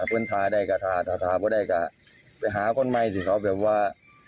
เพื่อนทาได้ก็ทาทาก็ได้ก็ไปหาคนใหม่ที่เขาแบบว่า